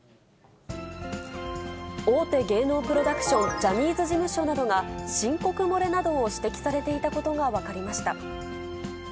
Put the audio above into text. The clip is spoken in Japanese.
大手芸能プロダクション、ジャニーズ事務所などが、申告漏れなどを指摘されていたことが分かりました。